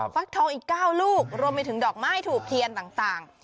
ฟักทองอีก๙ลูกรวมไปถึงดอกไม้ถูกเทียนต่าง